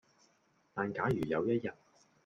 但假如有一日